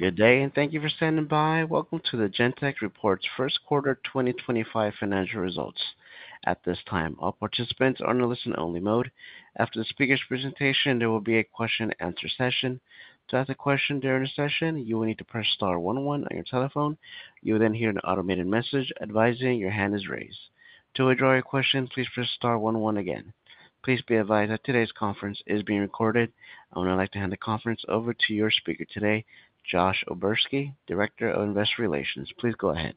Good day, and thank you for standing by. Welcome to the Gentex Corporation's first quarter 2025 financial results. At this time, all participants are in a listen-only mode. After the speaker's presentation, there will be a question-and-answer session. To ask a question during the session, you will need to press star 11 on your telephone. You will then hear an automated message advising your hand is raised. To withdraw your question, please press star 11 again. Please be advised that today's conference is being recorded, and we would like to hand the conference over to your speaker today, Josh O'Berski, Director of Investor Relations. Please go ahead.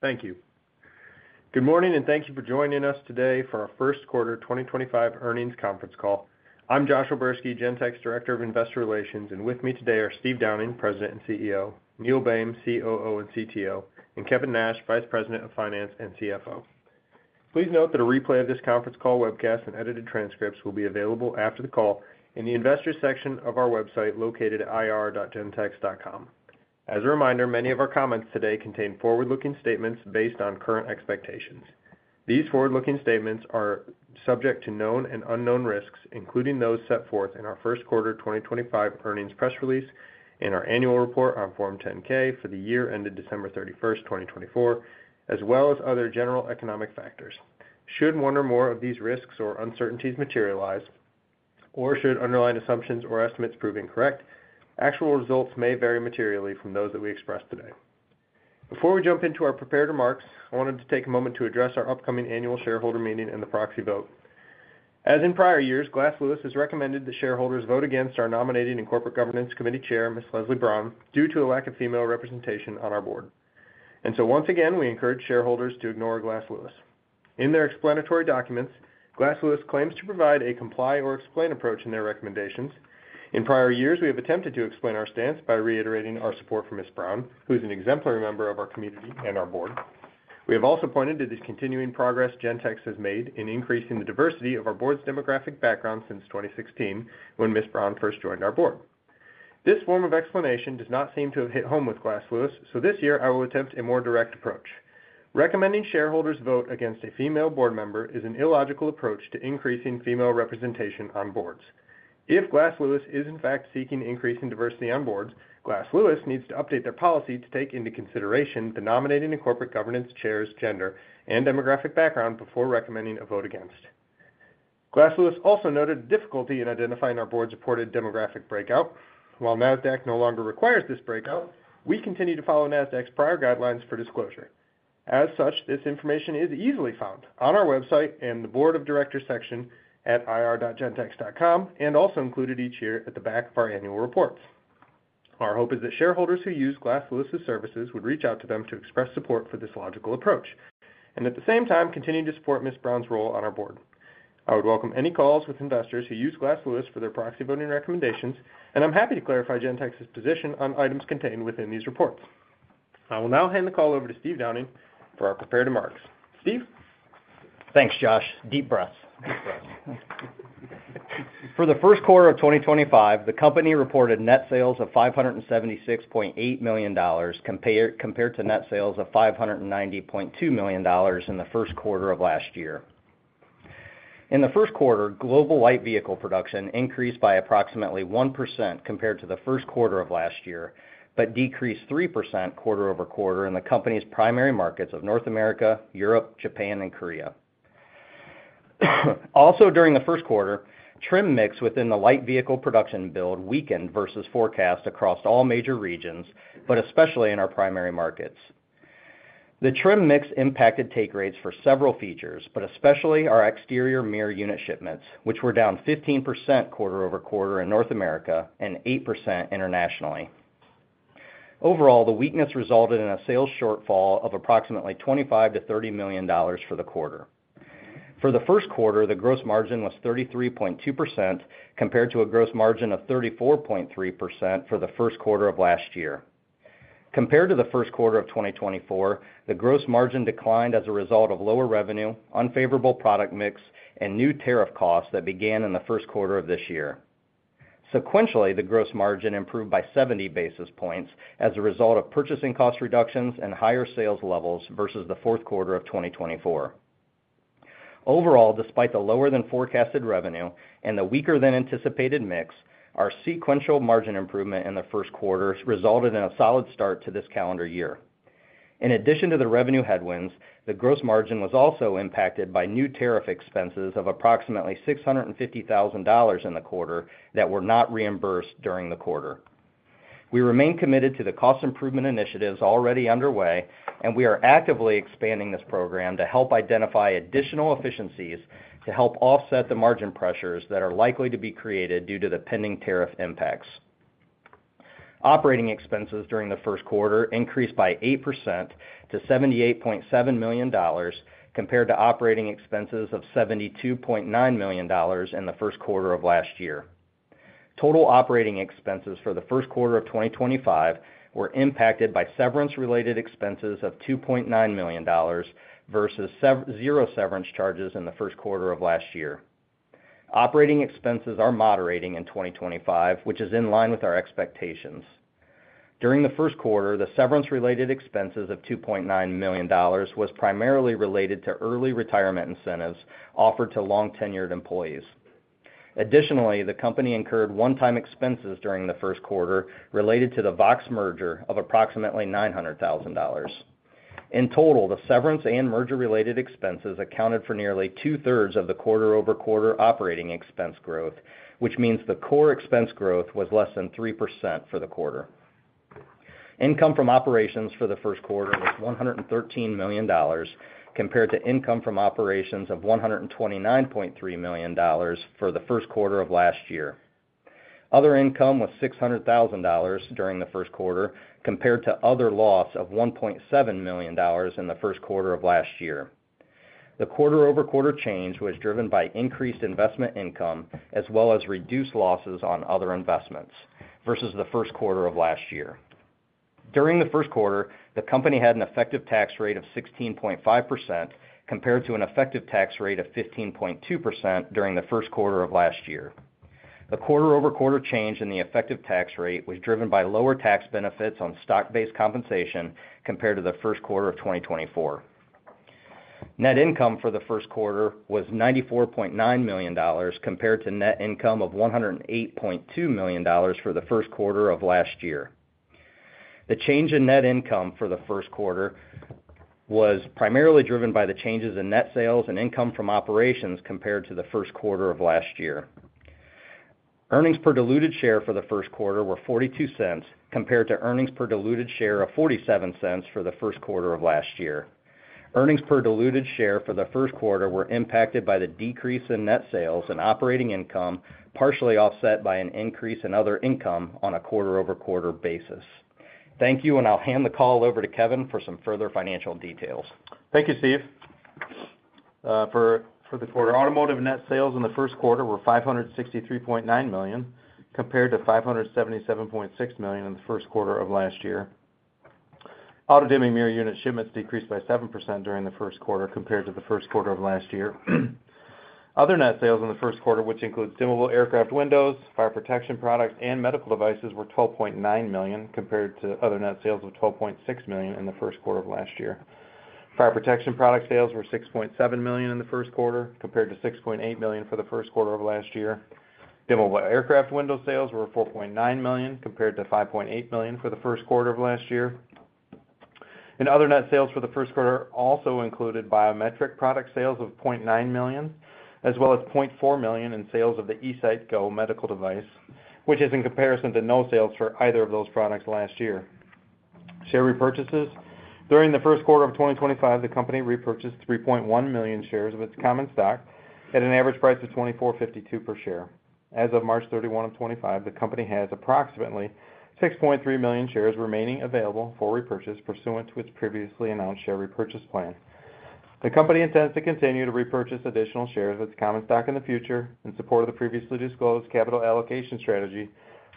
Thank you. Good morning, and thank you for joining us today for our first quarter 2025 earnings conference call. I'm Josh O'Berski, Gentex Director of Investor Relations, and with me today are Steve Downing, President and CEO; Neil Boehm, COO and CTO; and Kevin Nash, Vice President of Finance and CFO. Please note that a replay of this conference call webcast and edited transcripts will be available after the call in the investors' section of our website located at ir.gentex.com. As a reminder, many of our comments today contain forward-looking statements based on current expectations. These forward-looking statements are subject to known and unknown risks, including those set forth in our first quarter 2025 earnings press release and our annual report on Form 10-K for the year ended December 31, 2024, as well as other general economic factors. Should one or more of these risks or uncertainties materialize, or should underlying assumptions or estimates prove incorrect, actual results may vary materially from those that we express today. Before we jump into our prepared remarks, I wanted to take a moment to address our upcoming annual shareholder meeting and the proxy vote. As in prior years, Glass Lewis has recommended that shareholders vote against our Nominating and Corporate Governance Committee Chair, Ms. Leslie Brown, due to a lack of female representation on our board. Once again, we encourage shareholders to ignore Glass Lewis. In their explanatory documents, Glass Lewis claims to provide a comply or explain approach in their recommendations. In prior years, we have attempted to explain our stance by reiterating our support for Ms. Brown, who is an exemplary member of our community and our board. We have also pointed to the continuing progress Gentex has made in increasing the diversity of our board's demographic background since 2016, when Ms. Brown first joined our board. This form of explanation does not seem to have hit home with Glass Lewis, so this year I will attempt a more direct approach. Recommending shareholders vote against a female board member is an illogical approach to increasing female representation on boards. If Glass Lewis is, in fact, seeking increasing diversity on boards, Glass Lewis needs to update their policy to take into consideration the Nominating and Corporate Governance Chair's gender and demographic background before recommending a vote against. Glass Lewis also noted a difficulty in identifying our board's reported demographic breakout. While NASDAQ no longer requires this breakout, we continue to follow NASDAQ's prior guidelines for disclosure. As such, this information is easily found on our website in the Board of Directors section at ir.gentex.com and also included each year at the back of our annual reports. Our hope is that shareholders who use Glass Lewis's services would reach out to them to express support for this logical approach and, at the same time, continue to support Ms. Brown's role on our board. I would welcome any calls with investors who use Glass Lewis for their proxy voting recommendations, and I'm happy to clarify Gentex's position on items contained within these reports. I will now hand the call over to Steve Downing for our prepared remarks. Steve? Thanks, Josh. Deep breaths. For the first quarter of 2025, the company reported net sales of $576.8 million compared to net sales of $590.2 million in the first quarter of last year. In the first quarter, global light vehicle production increased by approximately 1% compared to the first quarter of last year but decreased 3% quarter over quarter in the company's primary markets of North America, Europe, Japan, and Korea. Also, during the first quarter, trim mix within the light vehicle production build weakened versus forecast across all major regions, but especially in our primary markets. The trim mix impacted take rates for several features, but especially our exterior mirror unit shipments, which were down 15% quarter over quarter in North America and 8% internationally. Overall, the weakness resulted in a sales shortfall of approximately $25 million-$30 million for the quarter. For the first quarter, the gross margin was 33.2% compared to a gross margin of 34.3% for the first quarter of last year. Compared to the first quarter of 2024, the gross margin declined as a result of lower revenue, unfavorable product mix, and new tariff costs that began in the first quarter of this year. Sequentially, the gross margin improved by 70 basis points as a result of purchasing cost reductions and higher sales levels versus the fourth quarter of 2024. Overall, despite the lower-than-forecasted revenue and the weaker-than-anticipated mix, our sequential margin improvement in the first quarter resulted in a solid start to this calendar year. In addition to the revenue headwinds, the gross margin was also impacted by new tariff expenses of approximately $650,000 in the quarter that were not reimbursed during the quarter. We remain committed to the cost improvement initiatives already underway, and we are actively expanding this program to help identify additional efficiencies to help offset the margin pressures that are likely to be created due to the pending tariff impacts. Operating expenses during the first quarter increased by 8% to $78.7 million compared to operating expenses of $72.9 million in the first quarter of last year. Total operating expenses for the first quarter of 2025 were impacted by severance-related expenses of $2.9 million versus zero severance charges in the first quarter of last year. Operating expenses are moderating in 2025, which is in line with our expectations. During the first quarter, the severance-related expenses of $2.9 million was primarily related to early retirement incentives offered to long-tenured employees. Additionally, the company incurred one-time expenses during the first quarter related to the VOXX merger of approximately $900,000. In total, the severance and merger-related expenses accounted for nearly two-thirds of the quarter-over-quarter operating expense growth, which means the core expense growth was less than 3% for the quarter. Income from operations for the first quarter was $113 million compared to income from operations of $129.3 million for the first quarter of last year. Other income was $600,000 during the first quarter compared to other loss of $1.7 million in the first quarter of last year. The quarter-over-quarter change was driven by increased investment income as well as reduced losses on other investments versus the first quarter of last year. During the first quarter, the company had an effective tax rate of 16.5% compared to an effective tax rate of 15.2% during the first quarter of last year. The quarter-over-quarter change in the effective tax rate was driven by lower tax benefits on stock-based compensation compared to the first quarter of 2024. Net income for the first quarter was $94.9 million compared to net income of $108.2 million for the first quarter of last year. The change in net income for the first quarter was primarily driven by the changes in net sales and income from operations compared to the first quarter of last year. Earnings per diluted share for the first quarter were $0.42 compared to earnings per diluted share of $0.47 for the first quarter of last year. Earnings per diluted share for the first quarter were impacted by the decrease in net sales and operating income, partially offset by an increase in other income on a quarter-over-quarter basis. Thank you, and I'll hand the call over to Kevin for some further financial details. Thank you, Steve. For the quarter, automotive net sales in the first quarter were $563.9 million compared to $577.6 million in the first quarter of last year. Auto-dimming mirror unit shipments decreased by 7% during the first quarter compared to the first quarter of last year. Other net sales in the first quarter, which includes dimmable aircraft windows, fire protection products, and medical devices, were $12.9 million compared to other net sales of $12.6 million in the first quarter of last year. Fire protection product sales were $6.7 million in the first quarter compared to $6.8 million for the first quarter of last year. Dimmable aircraft window sales were $4.9 million compared to $5.8 million for the first quarter of last year. Other net sales for the first quarter also included biometric product sales of $0.9 million, as well as $0.4 million in sales of the eSight Go medical device, which is in comparison to no sales for either of those products last year. Share repurchases: During the first quarter of 2025, the company repurchased 3.1 million shares of its common stock at an average price of $24.52 per share. As of March 31, 2025, the company has approximately 6.3 million shares remaining available for repurchase pursuant to its previously announced share repurchase plan. The company intends to continue to repurchase additional shares of its common stock in the future in support of the previously disclosed capital allocation strategy,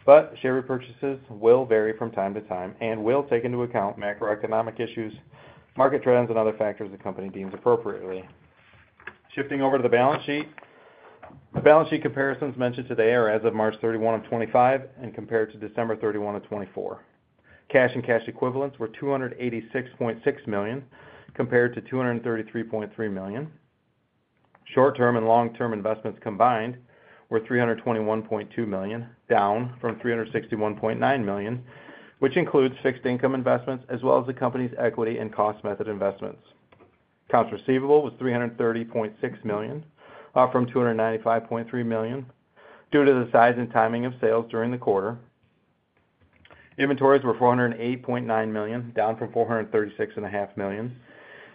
but share repurchases will vary from time to time and will take into account macroeconomic issues, market trends, and other factors the company deems appropriately. Shifting over to the balance sheet, the balance sheet comparisons mentioned today are as of March 31 of 2025 and compared to December 31 of 2024. Cash and cash equivalents were $286.6 million compared to $233.3 million. Short-term and long-term investments combined were $321.2 million, down from $361.9 million, which includes fixed income investments as well as the company's equity and cost method investments. Accounts receivable was $330.6 million, up from $295.3 million due to the size and timing of sales during the quarter. Inventories were $408.9 million, down from $436.5 million.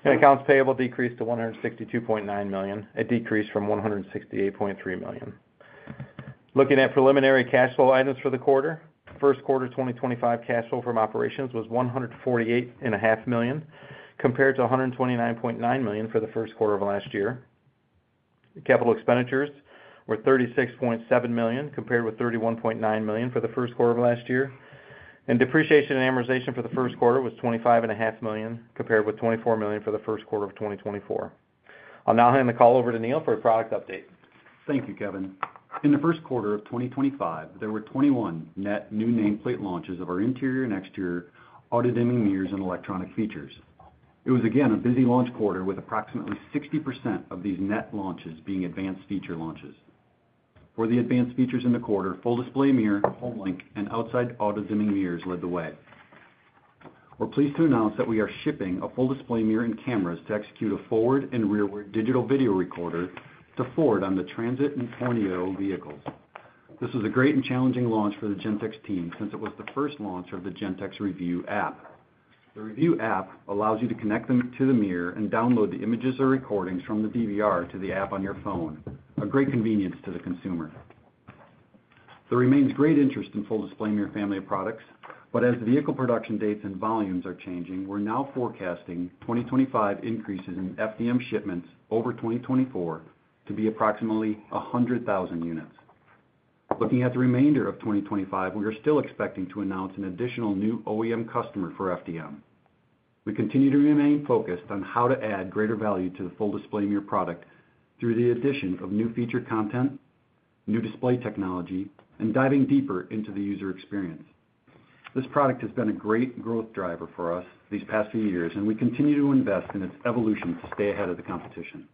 Accounts payable decreased to $162.9 million, a decrease from $168.3 million. Looking at preliminary cash flow items for the quarter, first quarter 2025 cash flow from operations was $148.5 million compared to $129.9 million for the first quarter of last year. Capital expenditures were $36.7 million compared with $31.9 million for the first quarter of last year. Depreciation and amortization for the first quarter was $25.5 million compared with $24 million for the first quarter of 2024. I'll now hand the call over to Neil for a product update. Thank you, Kevin. In the first quarter of 2025, there were 21 net new nameplate launches of our interior and exterior auto-dimming mirrors and electronic features. It was again a busy launch quarter with approximately 60% of these net launches being advanced feature launches. For the advanced features in the quarter, Full Display Mirror, full-length, and outside auto-dimming mirrors led the way. We're pleased to announce that we are shipping a Full Display Mirror and cameras to execute a forward and rearward digital video recorder to forward on the Transit and Tourneo vehicles. This was a great and challenging launch for the Gentex team since it was the first launch of the Gentex Review app. The Review app allows you to connect them to the mirror and download the images or recordings from the DVR to the app on your phone, a great convenience to the consumer. There remains great interest in Full Display Mirror family of products, but as vehicle production dates and volumes are changing, we're now forecasting 2025 increases in FDM shipments over 2024 to be approximately 100,000 units. Looking at the remainder of 2025, we are still expecting to announce an additional new OEM customer for FDM. We continue to remain focused on how to add greater value to the Full Display Mirror product through the addition of new feature content, new display technology, and diving deeper into the user experience. This product has been a great growth driver for us these past few years, and we continue to invest in its evolution to stay ahead of the competition.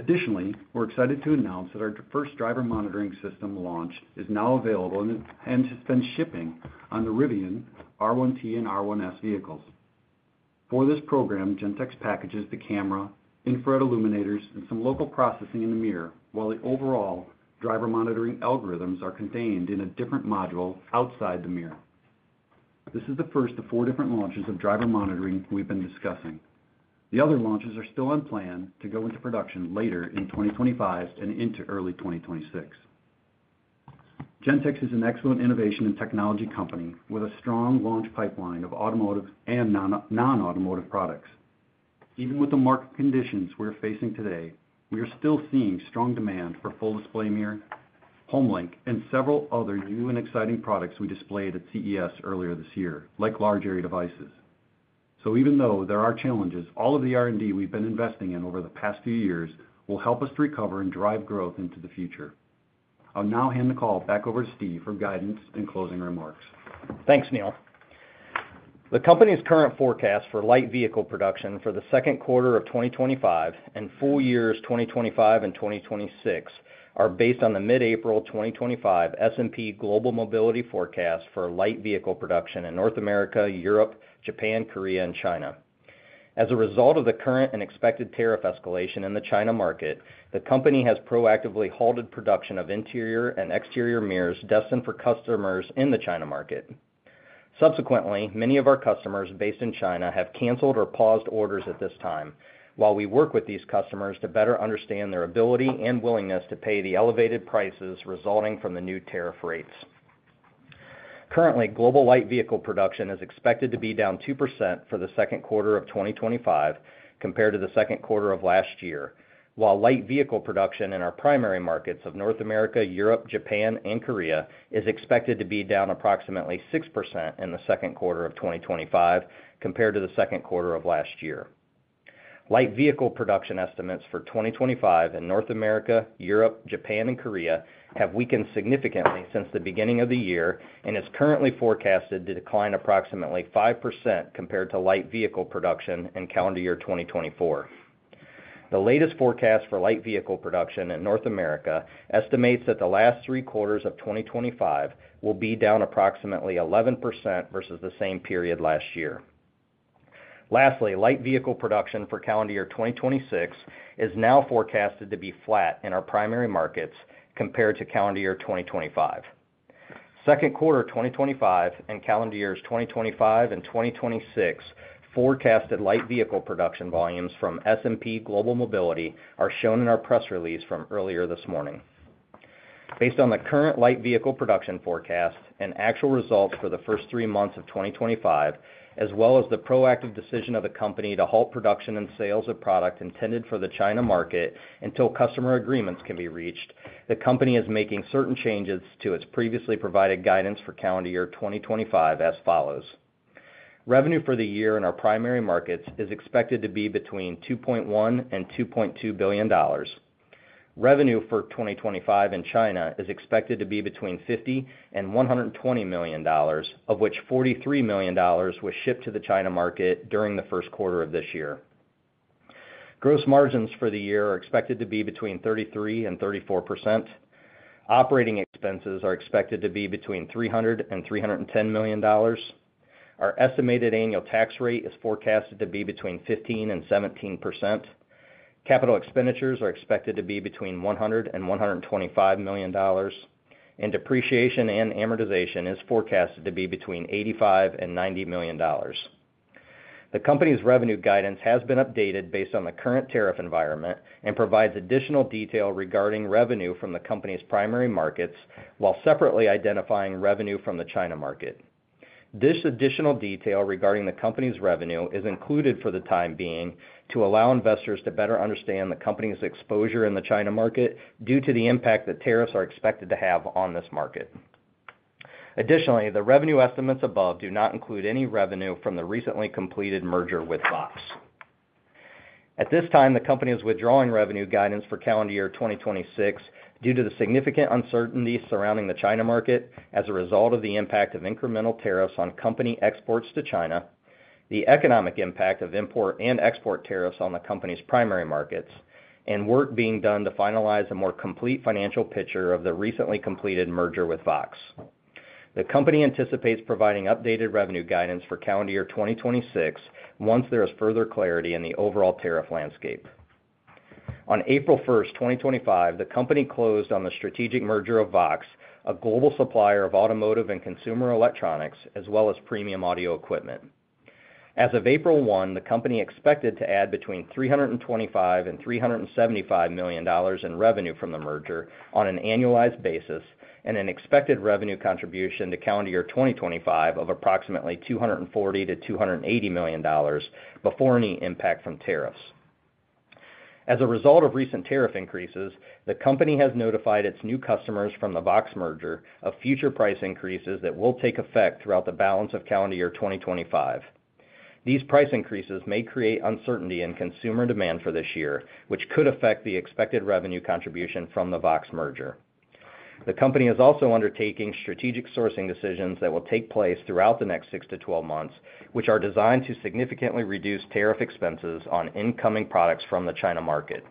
Additionally, we're excited to announce that our first driver monitoring system launch is now available and has been shipping on the Rivian R1T and R1S vehicles. For this program, Gentex packages the camera, infrared illuminators, and some local processing in the mirror, while the overall driver monitoring algorithms are contained in a different module outside the mirror. This is the first of four different launches of driver monitoring we've been discussing. The other launches are still on plan to go into production later in 2025 and into early 2026. Gentex is an excellent innovation and technology company with a strong launch pipeline of automotive and non-automotive products. Even with the market conditions we're facing today, we are still seeing strong demand for Full Display Mirror, HomeLink, and several other new and exciting products we displayed at CES earlier this year, like large area devices. Even though there are challenges, all of the R&D we've been investing in over the past few years will help us to recover and drive growth into the future. I'll now hand the call back over to Steve for guidance and closing remarks. Thanks, Neil. The company's current forecast for light vehicle production for the second quarter of 2025 and full years 2025 and 2026 are based on the mid-April 2025 S&P Global Mobility Forecast for light vehicle production in North America, Europe, Japan, Korea, and China. As a result of the current and expected tariff escalation in the China market, the company has proactively halted production of interior and exterior mirrors destined for customers in the China market. Subsequently, many of our customers based in China have canceled or paused orders at this time, while we work with these customers to better understand their ability and willingness to pay the elevated prices resulting from the new tariff rates. Currently, global light vehicle production is expected to be down 2% for the second quarter of 2025 compared to the second quarter of last year, while light vehicle production in our primary markets of North America, Europe, Japan, and Korea is expected to be down approximately 6% in the second quarter of 2025 compared to the second quarter of last year. Light vehicle production estimates for 2025 in North America, Europe, Japan, and Korea have weakened significantly since the beginning of the year and is currently forecasted to decline approximately 5% compared to light vehicle production in calendar year 2024. The latest forecast for light vehicle production in North America estimates that the last three quarters of 2025 will be down approximately 11% versus the same period last year. Lastly, light vehicle production for calendar year 2026 is now forecasted to be flat in our primary markets compared to calendar year 2025. Second quarter 2025 and calendar years 2025 and 2026 forecasted light vehicle production volumes from S&P Global Mobility are shown in our press release from earlier this morning. Based on the current light vehicle production forecast and actual results for the first three months of 2025, as well as the proactive decision of the company to halt production and sales of product intended for the China market until customer agreements can be reached, the company is making certain changes to its previously provided guidance for calendar year 2025 as follows. Revenue for the year in our primary markets is expected to be between $2.1 billion and $2.2 billion. Revenue for 2025 in China is expected to be between $50 million and $120 million, of which $43 million was shipped to the China market during the first quarter of this year. Gross margins for the year are expected to be between 33% and 34%. Operating expenses are expected to be between $300 million and $310 million. Our estimated annual tax rate is forecasted to be between 15% and 17%. Capital expenditures are expected to be between $100 million and $125 million. Depreciation and amortization is forecasted to be between $85 million and $90 million. The company's revenue guidance has been updated based on the current tariff environment and provides additional detail regarding revenue from the company's primary markets while separately identifying revenue from the China market. This additional detail regarding the company's revenue is included for the time being to allow investors to better understand the company's exposure in the China market due to the impact that tariffs are expected to have on this market. Additionally, the revenue estimates above do not include any revenue from the recently completed merger with VOXX. At this time, the company is withdrawing revenue guidance for calendar year 2026 due to the significant uncertainty surrounding the China market as a result of the impact of incremental tariffs on company exports to China, the economic impact of import and export tariffs on the company's primary markets, and work being done to finalize a more complete financial picture of the recently completed merger with VOXX. The company anticipates providing updated revenue guidance for calendar year 2026 once there is further clarity in the overall tariff landscape. On April 1, 2025, the company closed on the strategic merger of VOXX, a global supplier of automotive and consumer electronics, as well as premium audio equipment. As of April 1, the company expected to add between $325 million and $375 million in revenue from the merger on an annualized basis and an expected revenue contribution to calendar year 2025 of approximately $240 million to $280 million before any impact from tariffs. As a result of recent tariff increases, the company has notified its new customers from the VOXX merger of future price increases that will take effect throughout the balance of calendar year 2025. These price increases may create uncertainty in consumer demand for this year, which could affect the expected revenue contribution from the VOXX merger. The company is also undertaking strategic sourcing decisions that will take place throughout the next 6 to 12 months, which are designed to significantly reduce tariff expenses on incoming products from the China market.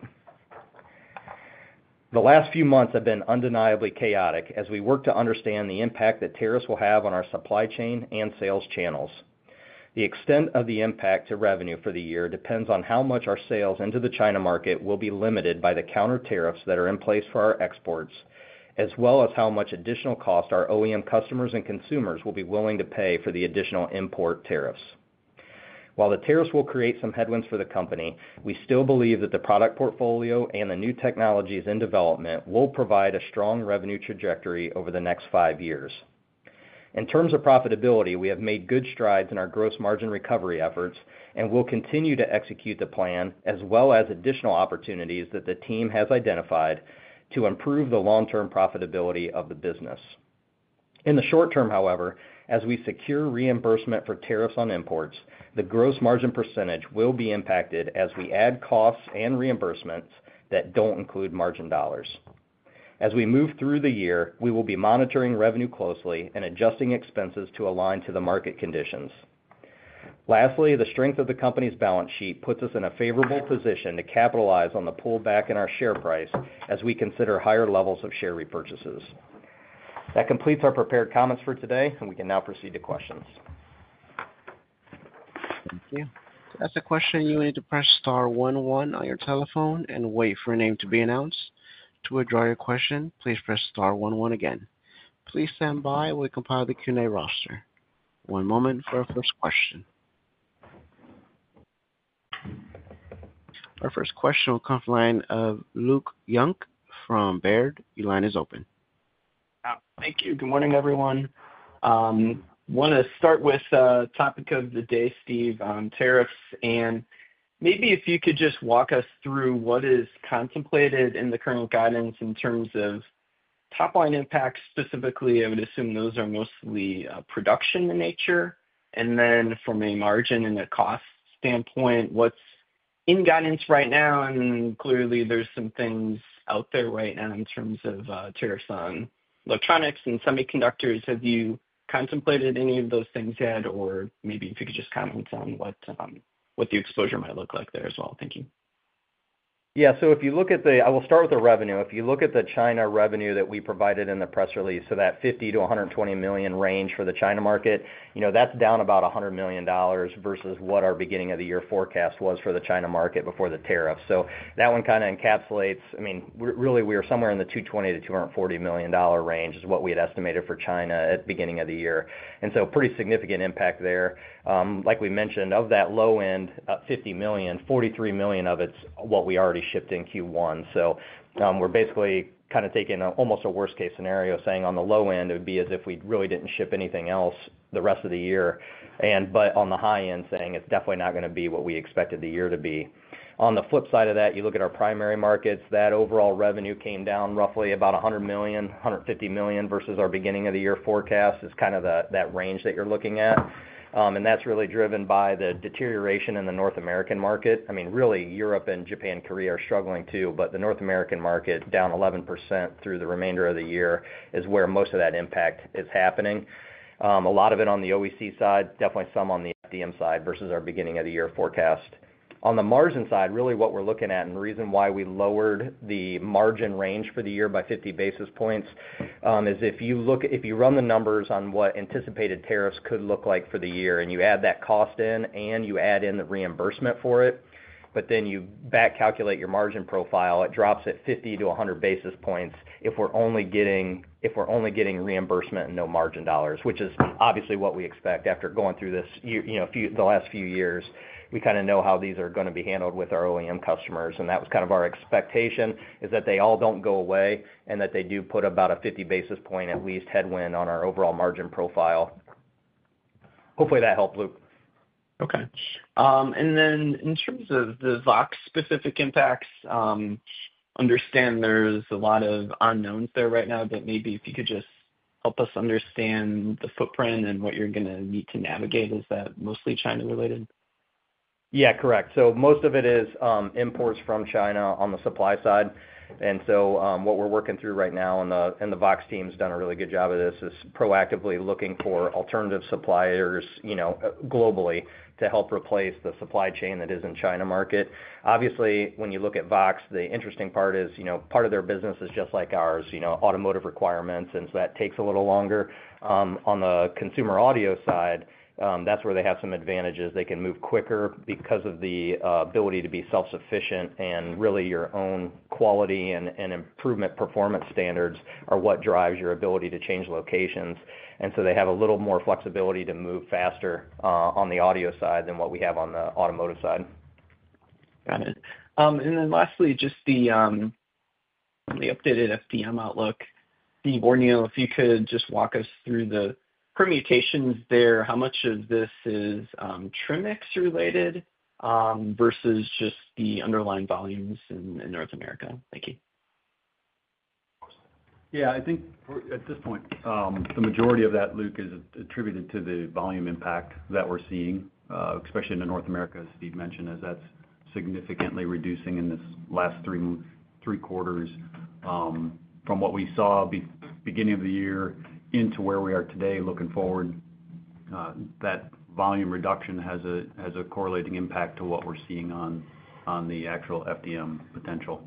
The last few months have been undeniably chaotic as we work to understand the impact that tariffs will have on our supply chain and sales channels. The extent of the impact to revenue for the year depends on how much our sales into the China market will be limited by the counter tariffs that are in place for our exports, as well as how much additional cost our OEM customers and consumers will be willing to pay for the additional import tariffs. While the tariffs will create some headwinds for the company, we still believe that the product portfolio and the new technologies in development will provide a strong revenue trajectory over the next five years. In terms of profitability, we have made good strides in our gross margin recovery efforts and will continue to execute the plan as well as additional opportunities that the team has identified to improve the long-term profitability of the business. In the short term, however, as we secure reimbursement for tariffs on imports, the gross margin percentage will be impacted as we add costs and reimbursements that do not include margin dollars. As we move through the year, we will be monitoring revenue closely and adjusting expenses to align to the market conditions. Lastly, the strength of the company's balance sheet puts us in a favorable position to capitalize on the pullback in our share price as we consider higher levels of share repurchases. That completes our prepared comments for today, and we can now proceed to questions. Thank you. To ask a question, you will need to press star 11 on your telephone and wait for a name to be announced. To withdraw your question, please press star 11 again. Please stand by while we compile the Q&A roster. One moment for our first question. Our first question will come from the line of Luke Junk from Baird. Your line is open. Thank you. Good morning, everyone. I want to start with the topic of the day, Steve, on tariffs. Maybe if you could just walk us through what is contemplated in the current guidance in terms of top-line impacts. Specifically, I would assume those are mostly production in nature. From a margin and a cost standpoint, what's in guidance right now? Clearly, there are some things out there right now in terms of tariffs on electronics and semiconductors. Have you contemplated any of those things yet? Maybe if you could just comment on what the exposure might look like there as well. Thank you. Yeah. If you look at the—I will start with the revenue. If you look at the China revenue that we provided in the press release, that $50-$120 million range for the China market, that's down about $100 million versus what our beginning of the year forecast was for the China market before the tariffs. That one kind of encapsulates, I mean, really, we were somewhere in the $220-$240 million range is what we had estimated for China at the beginning of the year. Pretty significant impact there. Like we mentioned, of that low end, $50 million, $43 million of it is what we already shipped in Q1. We are basically kind of taking almost a worst-case scenario, saying on the low end, it would be as if we really did not ship anything else the rest of the year. On the high end, saying it's definitely not going to be what we expected the year to be. On the flip side of that, you look at our primary markets, that overall revenue came down roughly about $100 million-$150 million versus our beginning of the year forecast is kind of that range that you're looking at. And that's really driven by the deterioration in the North American market. I mean, really, Europe and Japan and Korea are struggling too, but the North American market down 11% through the remainder of the year is where most of that impact is happening. A lot of it on the EC side, definitely some on the FDM side versus our beginning of the year forecast. On the margin side, really what we're looking at and the reason why we lowered the margin range for the year by 50 basis points is if you run the numbers on what anticipated tariffs could look like for the year and you add that cost in and you add in the reimbursement for it, but then you back calculate your margin profile, it drops at 50-100 basis points if we're only getting reimbursement and no margin dollars, which is obviously what we expect after going through the last few years. We kind of know how these are going to be handled with our OEM customers. That was kind of our expectation is that they all do not go away and that they do put about a 50 basis point at least headwind on our overall margin profile. Hopefully, that helped, Luke. Okay. In terms of the VOXX-specific impacts, understand there's a lot of unknowns there right now, but maybe if you could just help us understand the footprint and what you're going to need to navigate, is that mostly China-related? Yeah, correct. Most of it is imports from China on the supply side. What we are working through right now, and the VOXX team has done a really good job of this, is proactively looking for alternative suppliers globally to help replace the supply chain that is in the China market. Obviously, when you look at VOXX, the interesting part is part of their business is just like ours, automotive requirements. That takes a little longer. On the consumer audio side, that is where they have some advantages. They can move quicker because of the ability to be self-sufficient. Really, your own quality and improvement performance standards are what drive your ability to change locations. They have a little more flexibility to move faster on the audio side than what we have on the automotive side. Got it. Lastly, just the updated FDM outlook. Steve or Neil, if you could just walk us through the permutations there, how much of this is trim mix-related versus just the underlying volumes in North America? Thank you. Yeah. I think at this point, the majority of that, Luke, is attributed to the volume impact that we're seeing, especially in North America, as Steve mentioned, as that's significantly reducing in this last three quarters. From what we saw beginning of the year into where we are today, looking forward, that volume reduction has a correlating impact to what we're seeing on the actual FDM potential.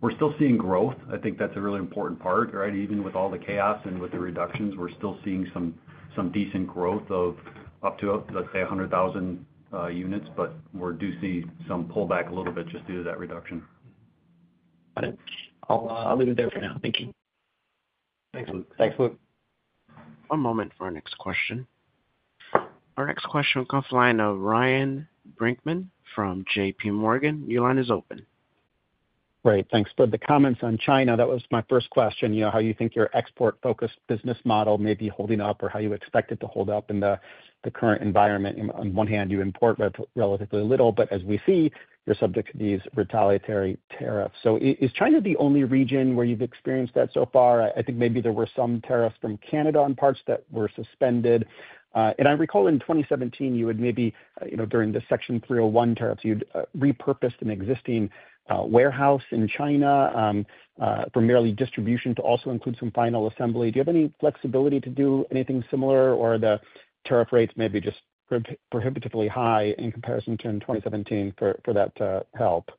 We're still seeing growth. I think that's a really important part, right? Even with all the chaos and with the reductions, we're still seeing some decent growth of up to, let's say, 100,000 units, but we do see some pullback a little bit just due to that reduction. Got it. I'll leave it there for now. Thank you. Thanks, Luke. Thanks, Luke. One moment for our next question. Our next question will come from the line of Ryan Brinkman from JP Morgan. Your line is open. Great. Thanks for the comments on China. That was my first question, how you think your export-focused business model may be holding up or how you expect it to hold up in the current environment. On one hand, you import relatively little, but as we see, you're subject to these retaliatory tariffs. Is China the only region where you've experienced that so far? I think maybe there were some tariffs from Canada on parts that were suspended. I recall in 2017, you had maybe during the Section 301 tariffs, you'd repurposed an existing warehouse in China from merely distribution to also include some final assembly. Do you have any flexibility to do anything similar, or are the tariff rates maybe just prohibitively high in comparison to in 2017 for that help?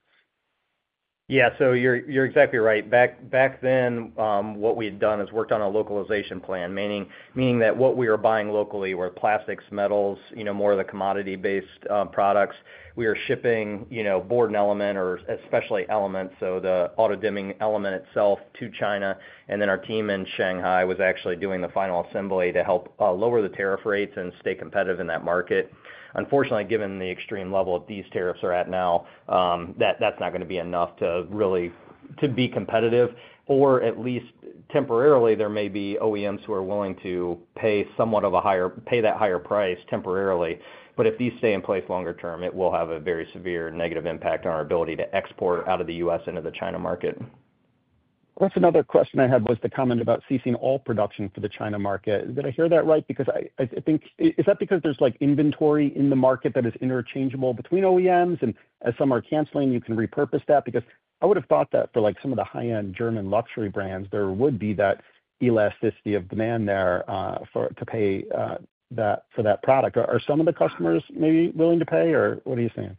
Yeah. You're exactly right. Back then, what we had done is worked on a localization plan, meaning that what we were buying locally were plastics, metals, more of the commodity-based products. We were shipping board and element, or especially elements, so the auto-dimming element itself to China. Our team in Shanghai was actually doing the final assembly to help lower the tariff rates and stay competitive in that market. Unfortunately, given the extreme level that these tariffs are at now, that's not going to be enough to really be competitive. At least temporarily, there may be OEMs who are willing to pay somewhat of a higher price temporarily. If these stay in place longer term, it will have a very severe negative impact on our ability to export out of the U.S. into the China market. That's another question I had. Was the comment about ceasing all production for the China market, did I hear that right? Because I think, is that because there's inventory in the market that is interchangeable between OEMs? As some are canceling, you can repurpose that? I would have thought that for some of the high-end German luxury brands, there would be that elasticity of demand there to pay for that product. Are some of the customers maybe willing to pay, or what are you saying?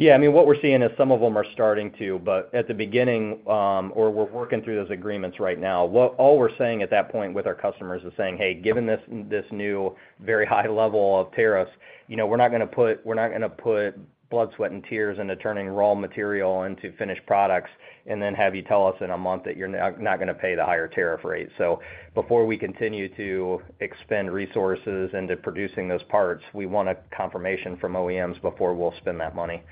Yeah. I mean, what we're seeing is some of them are starting to. At the beginning, or we're working through those agreements right now, all we're saying at that point with our customers is saying, "Hey, given this new very high level of tariffs, we're not going to put blood, sweat, and tears into turning raw material into finished products and then have you tell us in a month that you're not going to pay the higher tariff rate." Before we continue to expend resources into producing those parts, we want a confirmation from OEMs before we'll spend that money.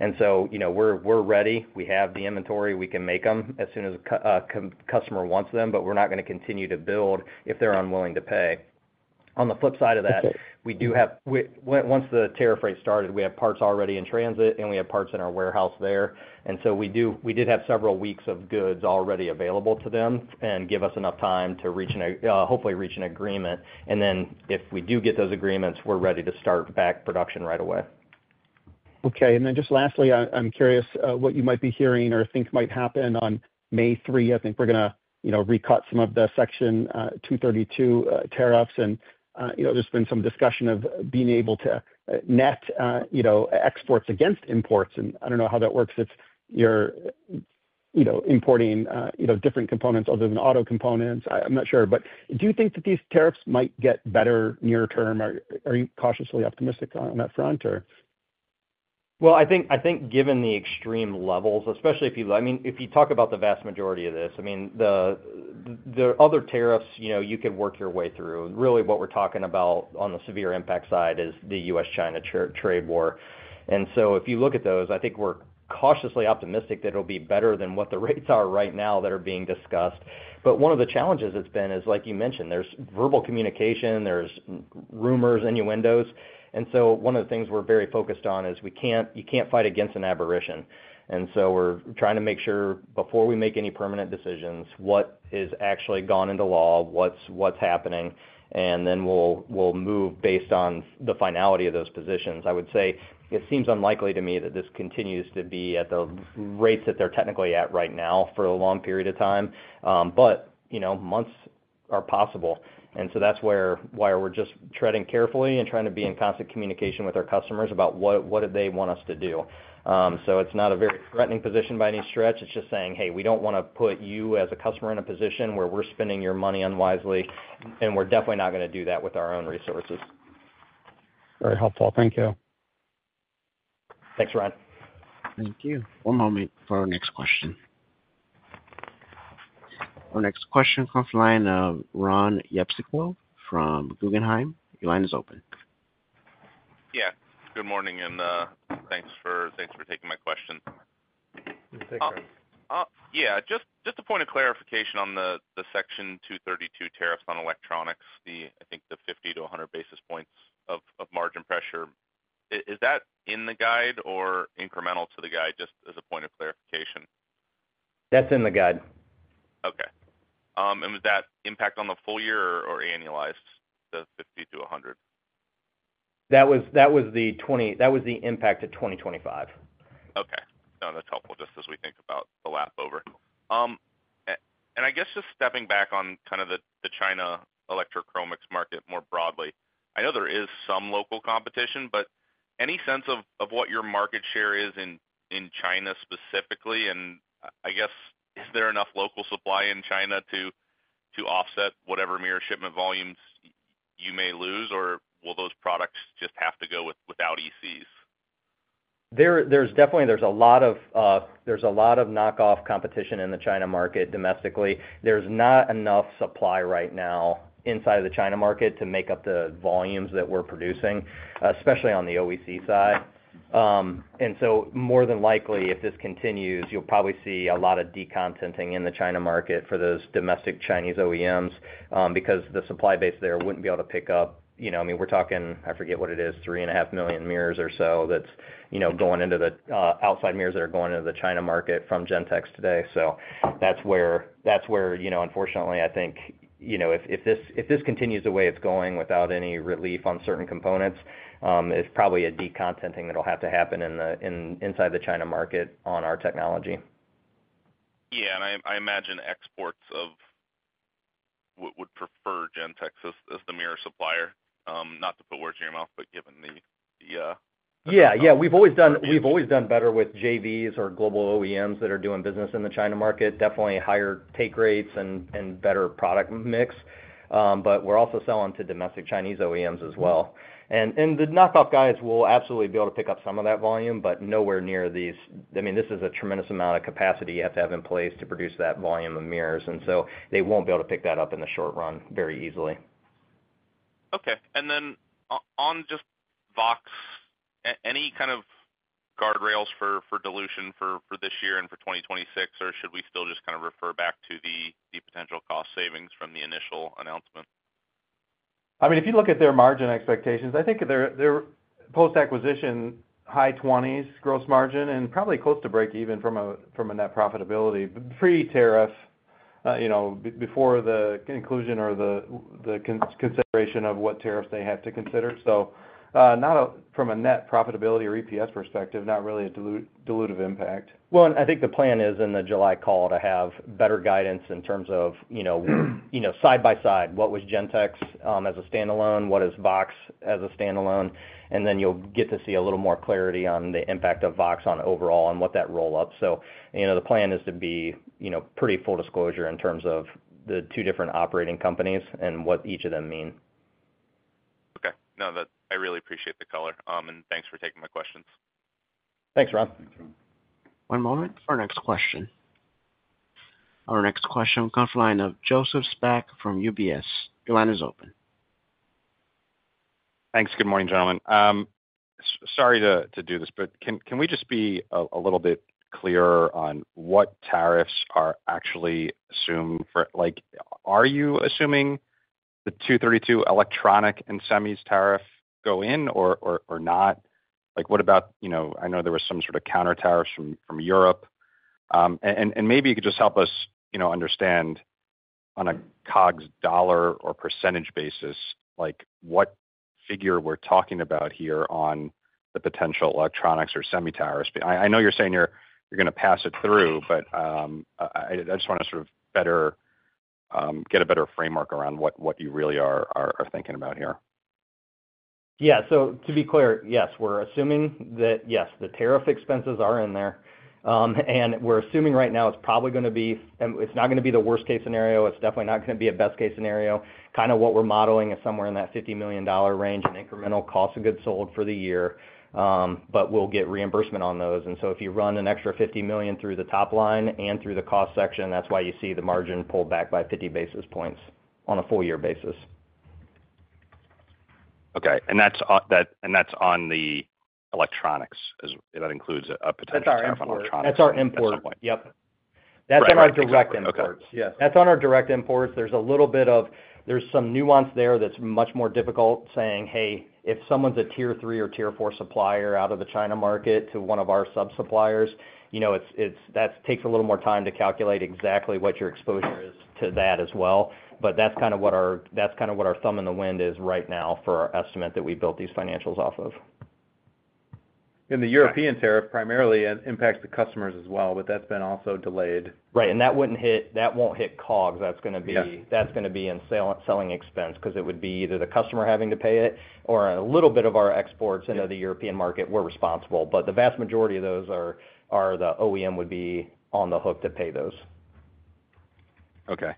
We are ready. We have the inventory. We can make them as soon as a customer wants them, but we're not going to continue to build if they're unwilling to pay. On the flip side of that, we do have once the tariff rate started, we have parts already in transit, and we have parts in our warehouse there. We did have several weeks of goods already available to them and give us enough time to hopefully reach an agreement. If we do get those agreements, we're ready to start back production right away. Okay. Lastly, I'm curious what you might be hearing or think might happen on May 3. I think we're going to recut some of the Section 232 tariffs. There's been some discussion of being able to net exports against imports. I don't know how that works. It's you're importing different components other than auto components. I'm not sure. Do you think that these tariffs might get better near term? Are you cautiously optimistic on that front, or? I think given the extreme levels, especially if you, I mean, if you talk about the vast majority of this, the other tariffs you could work your way through. Really, what we're talking about on the severe impact side is the U.S.-China trade war. If you look at those, I think we're cautiously optimistic that it'll be better than what the rates are right now that are being discussed. One of the challenges it's been is, like you mentioned, there's verbal communication, there's rumors, innuendos. One of the things we're very focused on is you can't fight against an aberration. We're trying to make sure before we make any permanent decisions, what is actually gone into law, what's happening, and then we'll move based on the finality of those positions. I would say it seems unlikely to me that this continues to be at the rates that they're technically at right now for a long period of time. Months are possible. That is why we're just treading carefully and trying to be in constant communication with our customers about what do they want us to do. It is not a very threatening position by any stretch. It is just saying, "Hey, we do not want to put you as a customer in a position where we're spending your money unwisely, and we're definitely not going to do that with our own resources. Very helpful. Thank you. Thanks, Ryan. Thank you. One moment for our next question. Our next question comes from the line of Ron Epstein from Guggenheim. Your line is open. Yeah. Good morning. Thanks for taking my question. Take it. Yeah. Just a point of clarification on the Section 232 tariffs on electronics, I think the 50 to 100 basis points of margin pressure. Is that in the guide or incremental to the guide, just as a point of clarification? That's in the guide. Okay. Was that impact on the full year or annualized, the 50-100? That was the impact to 2025. Okay. No, that's helpful just as we think about the lap over. I guess just stepping back on kind of the China electrochromics market more broadly, I know there is some local competition, but any sense of what your market share is in China specifically? I guess, is there enough local supply in China to offset whatever mirror shipment volumes you may lose, or will those products just have to go without ECs? There's definitely a lot of knockoff competition in the China market domestically. There's not enough supply right now inside of the China market to make up the volumes that we're producing, especially on the OEM side. More than likely, if this continues, you'll probably see a lot of decontenting in the China market for those domestic Chinese OEMs because the supply base there wouldn't be able to pick up. I mean, we're talking, I forget what it is, three and a half million mirrors or so that's going into the outside mirrors that are going into the China market from Gentex today. That's where unfortunately, I think if this continues the way it's going without any relief on certain components, it's probably a decontenting that'll have to happen inside the China market on our technology. Yeah. I imagine exports would prefer Gentex as the mirror supplier, not to put words in your mouth, but given the. Yeah. Yeah. We've always done better with JVs or global OEMs that are doing business in the China market, definitely higher take rates and better product mix. We are also selling to domestic Chinese OEMs as well. The knockoff guys will absolutely be able to pick up some of that volume, but nowhere near these. I mean, this is a tremendous amount of capacity you have to have in place to produce that volume of mirrors. They will not be able to pick that up in the short run very easily. Okay. On just VOXX, any kind of guardrails for dilution for this year and for 2026, or should we still just kind of refer back to the potential cost savings from the initial announcement? I mean, if you look at their margin expectations, I think they're post-acquisition high 20s gross margin and probably close to break even from a net profitability pre-tariff before the inclusion or the consideration of what tariffs they have to consider. From a net profitability or EPS perspective, not really a dilutive impact. I think the plan is in the July call to have better guidance in terms of side by side, what was Gentex as a standalone, what is VOXX as a standalone. You will get to see a little more clarity on the impact of VOXX on overall and what that roll-up. The plan is to be pretty full disclosure in terms of the two different operating companies and what each of them mean. Okay. No, I really appreciate the color. Thanks for taking my questions. Thanks, Ron. One moment for our next question. Our next question comes from the line of Joseph Spak from UBS. Your line is open. Thanks. Good morning, gentlemen. Sorry to do this, but can we just be a little bit clearer on what tariffs are actually assumed for. Are you assuming the 232 electronic and semis tariff go in or not? What about, I know there were some sort of counter tariffs from Europe. Maybe you could just help us understand on a COGS dollar or percentage basis what figure we're talking about here on the potential electronics or semi tariffs. I know you're saying you're going to pass it through, but I just want to sort of get a better framework around what you really are thinking about here. Yeah. To be clear, yes, we're assuming that, yes, the tariff expenses are in there. We're assuming right now it's probably going to be, it's not going to be the worst-case scenario. It's definitely not going to be a best-case scenario. Kind of what we're modeling is somewhere in that $50 million range in incremental cost of goods sold for the year, but we'll get reimbursement on those. If you run an extra $50 million through the top line and through the cost section, that's why you see the margin pulled back by 50 basis points on a full-year basis. Okay. That's on the electronics as that includes a potential downfall on electronics? That's our import. Yep. That's on our direct imports. Yes. That's on our direct imports. There's a little bit of, there's some nuance there that's much more difficult saying, "Hey, if someone's a tier three or tier four supplier out of the China market to one of our sub-suppliers," that takes a little more time to calculate exactly what your exposure is to that as well. That's kind of what our thumb in the wind is right now for our estimate that we built these financials off of. The European tariff primarily impacts the customers as well, but that's been also delayed. Right. That will not hit COGS. That is going to be in selling expense because it would be either the customer having to pay it or a little bit of our exports into the European market. We are responsible. The vast majority of those are the OEM would be on the hook to pay those. Okay.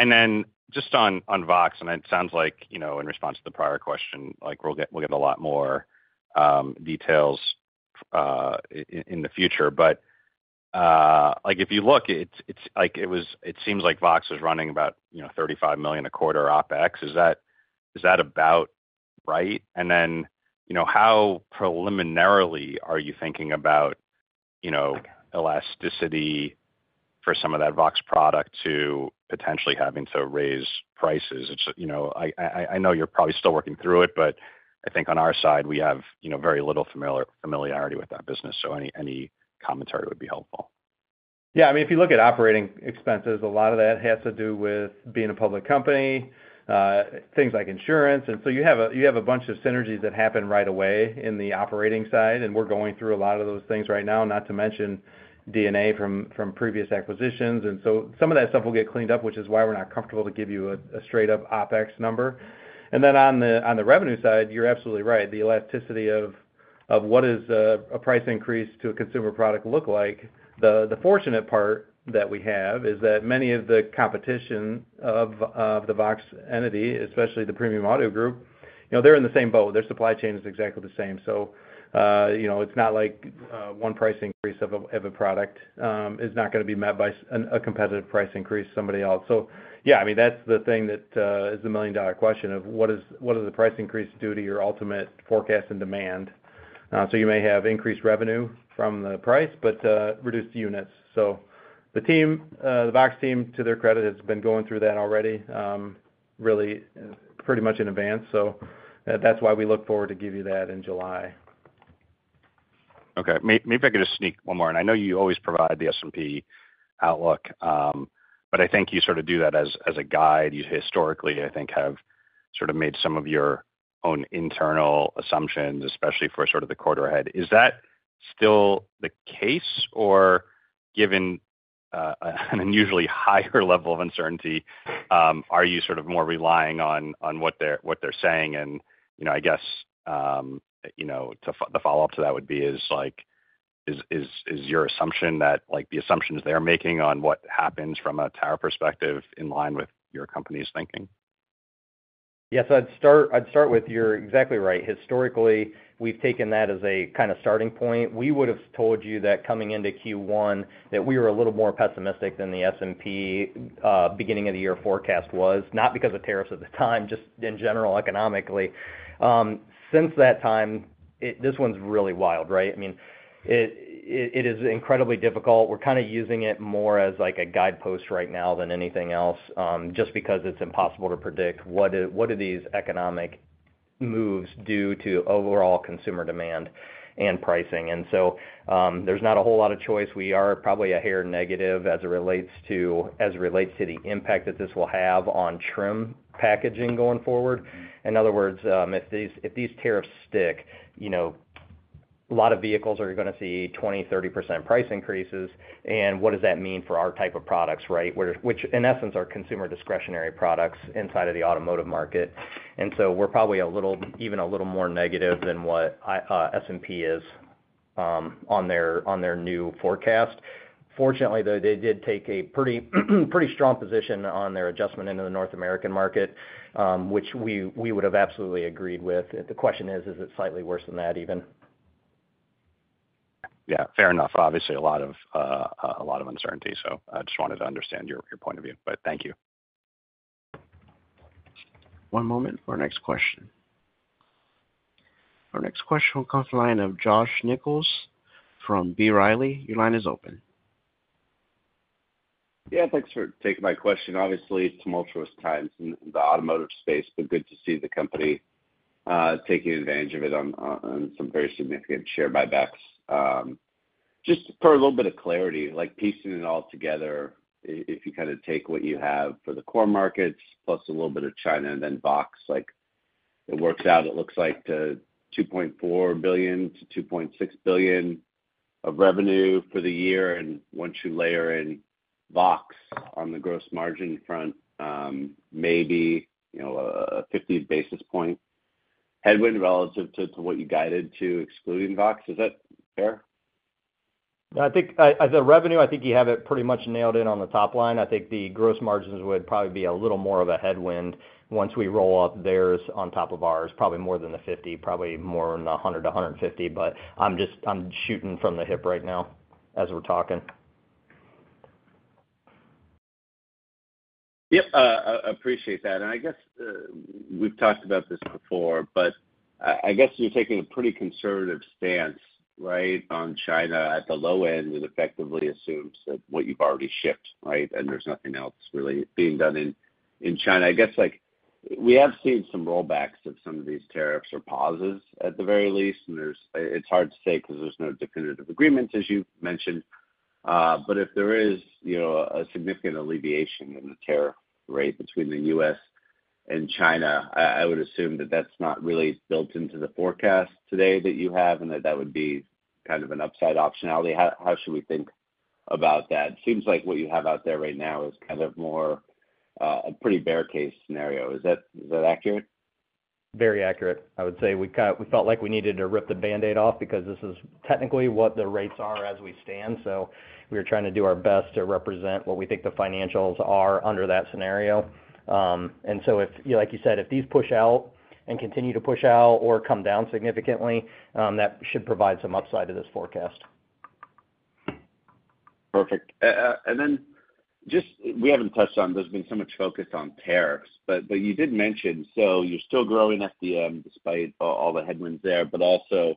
Just on VOXX, it sounds like in response to the prior question, we'll get a lot more details in the future. If you look, it seems like VOXX is running about $35 million a quarter OpEx. Is that about right? How preliminarily are you thinking about elasticity for some of that VOXX product to potentially having to raise prices? I know you're probably still working through it, but I think on our side, we have very little familiarity with that business. Any commentary would be helpful. Yeah. I mean, if you look at operating expenses, a lot of that has to do with being a public company, things like insurance. You have a bunch of synergies that happen right away in the operating side. We are going through a lot of those things right now, not to mention DNA from previous acquisitions. Some of that stuff will get cleaned up, which is why we are not comfortable to give you a straight-up OpEx number. On the revenue side, you are absolutely right. The elasticity of what does a price increase to a consumer product look like? The fortunate part that we have is that many of the competition of the VOXX entity, especially the premium audio group, they are in the same boat. Their supply chain is exactly the same. It is not like one price increase of a product is not going to be met by a competitive price increase from somebody else. Yeah, I mean, that is the thing that is the million-dollar question of what does the price increase do to your ultimate forecast and demand? You may have increased revenue from the price, but reduced units. The VOXX team, to their credit, has been going through that already really pretty much in advance. That is why we look forward to giving you that in July. Okay. Maybe if I could just sneak one more. I know you always provide the S&P outlook, but I think you sort of do that as a guide. You historically, I think, have sort of made some of your own internal assumptions, especially for sort of the quarter ahead. Is that still the case? Given an unusually higher level of uncertainty, are you sort of more relying on what they're saying? I guess the follow-up to that would be, is your assumption that the assumptions they're making on what happens from a tariff perspective in line with your company's thinking? Yeah. I'd start with you're exactly right. Historically, we've taken that as a kind of starting point. We would have told you that coming into Q1, that we were a little more pessimistic than the S&P beginning of the year forecast was, not because of tariffs at the time, just in general economically. Since that time, this one's really wild, right? I mean, it is incredibly difficult. We're kind of using it more as a guidepost right now than anything else just because it's impossible to predict what do these economic moves do to overall consumer demand and pricing. There's not a whole lot of choice. We are probably a hair negative as it relates to the impact that this will have on trim packaging going forward. In other words, if these tariffs stick, a lot of vehicles are going to see 20-30% price increases. What does that mean for our type of products, right? Which, in essence, are consumer discretionary products inside of the automotive market. We are probably even a little more negative than what S&P is on their new forecast. Fortunately, though, they did take a pretty strong position on their adjustment into the North American market, which we would have absolutely agreed with. The question is, is it slightly worse than that even? Yeah. Fair enough. Obviously, a lot of uncertainty. I just wanted to understand your point of view. Thank you. One moment for our next question. Our next question comes from the line of Josh Nichols from B. Riley. Your line is open. Yeah. Thanks for taking my question. Obviously, tumultuous times in the automotive space, but good to see the company taking advantage of it on some very significant share buybacks. Just for a little bit of clarity, piecing it all together, if you kind of take what you have for the core markets plus a little bit of China and then VOXX, it works out, it looks like, to $2.4 billion-$2.6 billion of revenue for the year. Once you layer in VOXX on the gross margin front, maybe a 50 basis point headwind relative to what you guided to excluding VOXX. Is that fair? The revenue, I think you have it pretty much nailed in on the top line. I think the gross margins would probably be a little more of a headwind once we roll up theirs on top of ours, probably more than the 50, probably more than 100 to 150. I am just shooting from the hip right now as we are talking. Yep. I appreciate that. I guess we've talked about this before, but I guess you're taking a pretty conservative stance, right, on China at the low end. It effectively assumes that what you've already shipped, right? There's nothing else really being done in China. I guess we have seen some rollbacks of some of these tariffs or pauses at the very least. It's hard to say because there's no definitive agreement, as you mentioned. If there is a significant alleviation in the tariff rate between the U.S. and China, I would assume that that's not really built into the forecast today that you have and that that would be kind of an upside optionality. How should we think about that? It seems like what you have out there right now is kind of more a pretty bear case scenario. Is that accurate? Very accurate. I would say we felt like we needed to rip the Band-Aid off because this is technically what the rates are as we stand. We were trying to do our best to represent what we think the financials are under that scenario. Like you said, if these push out and continue to push out or come down significantly, that should provide some upside to this forecast. Perfect. Just we have not touched on, there has been so much focus on tariffs. You did mention you are still growing FDM despite all the headwinds there, but also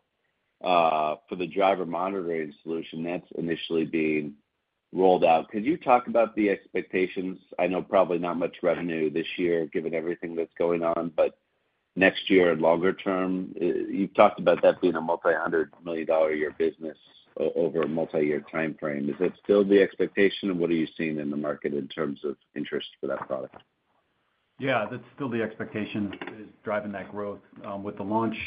for the driver monitoring solution that is initially being rolled out. Could you talk about the expectations? I know probably not much revenue this year given everything that is going on, but next year and longer term, you have talked about that being a multi-hundred million dollar a year business over a multi-year time frame. Is that still the expectation? What are you seeing in the market in terms of interest for that product? Yeah. That's still the expectation that is driving that growth. With the launch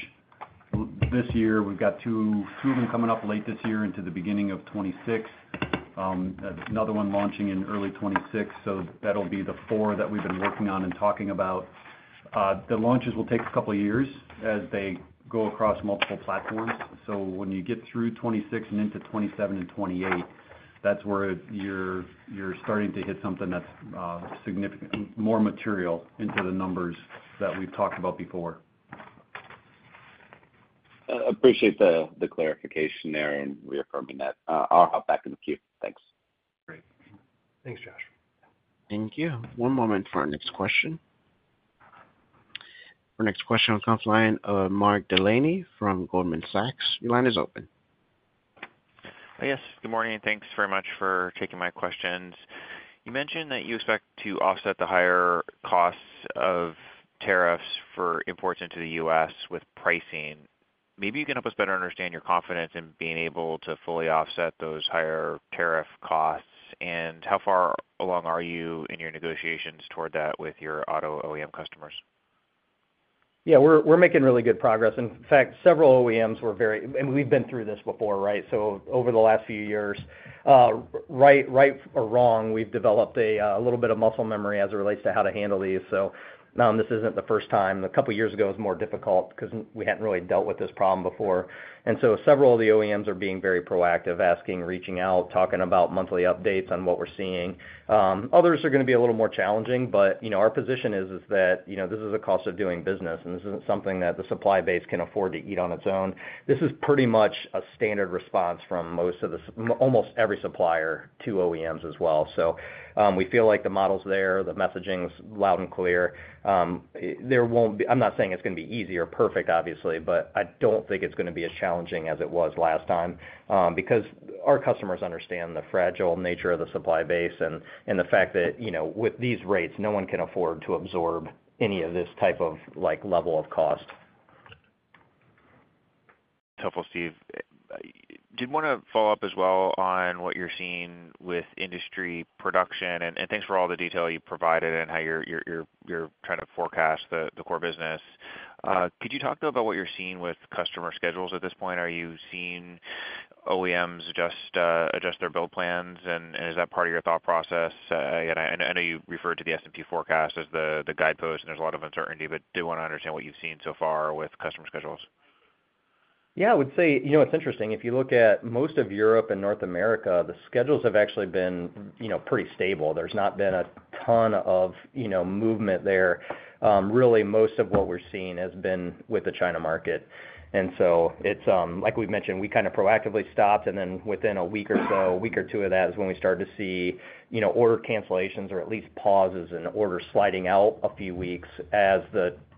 this year, we've got two of them coming up late this year into the beginning of 2026. Another one launching in early 2026. That will be the four that we've been working on and talking about. The launches will take a couple of years as they go across multiple platforms. When you get through 2026 and into 2027 and 2028, that's where you're starting to hit something that's more material into the numbers that we've talked about before. I appreciate the clarification there and reaffirming that. I'll hop back in the queue. Thanks. Great. Thanks, Josh. Thank you. One moment for our next question. Our next question comes from Mark Delaney from Goldman Sachs. Your line is open. Hi, yes. Good morning. Thanks very much for taking my questions. You mentioned that you expect to offset the higher costs of tariffs for imports into the U.S. with pricing. Maybe you can help us better understand your confidence in being able to fully offset those higher tariff costs. How far along are you in your negotiations toward that with your auto OEM customers? Yeah. We're making really good progress. In fact, several OEMs were very, and we've been through this before, right? Over the last few years, right or wrong, we've developed a little bit of muscle memory as it relates to how to handle these. This isn't the first time. A couple of years ago was more difficult because we hadn't really dealt with this problem before. Several of the OEMs are being very proactive, asking, reaching out, talking about monthly updates on what we're seeing. Others are going to be a little more challenging. Our position is that this is a cost of doing business, and this isn't something that the supply base can afford to eat on its own. This is pretty much a standard response from almost every supplier to OEMs as well. We feel like the model's there. The messaging's loud and clear. I'm not saying it's going to be easy or perfect, obviously, but I don't think it's going to be as challenging as it was last time because our customers understand the fragile nature of the supply base and the fact that with these rates, no one can afford to absorb any of this type of level of cost. It's helpful, Steve. I did want to follow up as well on what you're seeing with industry production. Thanks for all the detail you provided and how you're trying to forecast the core business. Could you talk about what you're seeing with customer schedules at this point? Are you seeing OEMs adjust their build plans, and is that part of your thought process? I know you referred to the S&P forecast as the guidepost, and there's a lot of uncertainty, but I did want to understand what you've seen so far with customer schedules. Yeah. I would say it's interesting. If you look at most of Europe and North America, the schedules have actually been pretty stable. There's not been a ton of movement there. Really, most of what we're seeing has been with the China market. Like we've mentioned, we kind of proactively stopped. Within a week or so, a week or two of that is when we started to see order cancellations or at least pauses and orders sliding out a few weeks as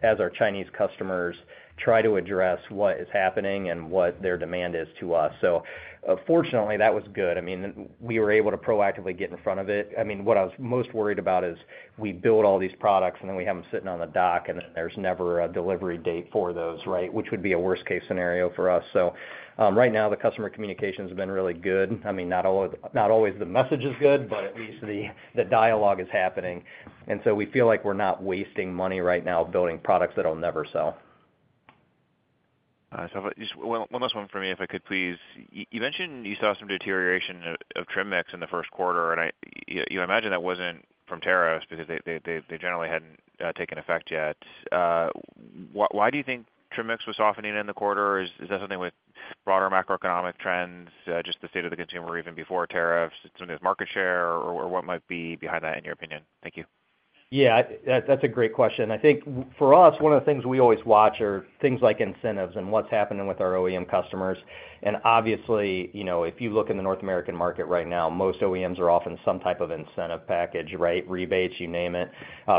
our Chinese customers try to address what is happening and what their demand is to us. Fortunately, that was good. I mean, we were able to proactively get in front of it. I mean, what I was most worried about is we build all these products, and then we have them sitting on the dock, and then there's never a delivery date for those, right? Which would be a worst-case scenario for us. Right now, the customer communication has been really good. I mean, not always the message is good, but at least the dialogue is happening. We feel like we're not wasting money right now building products that will never sell. All right. One last one for me, if I could please. You mentioned you saw some deterioration of trim mix in the first quarter. You imagine that was not from tariffs because they generally had not taken effect yet. Why do you think trim mix was softening in the quarter? Is that something with broader macroeconomic trends, just the state of the consumer even before tariffs, something with market share, or what might be behind that in your opinion? Thank you. Yeah. That's a great question. I think for us, one of the things we always watch are things like incentives and what's happening with our OEM customers. Obviously, if you look in the North American market right now, most OEMs are offering some type of incentive package, right? Rebates, you name it,